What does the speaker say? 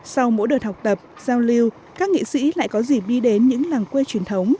sau mỗi đợt học tập giao lưu các nghệ sĩ lại có gì đi đến những làng quê truyền thống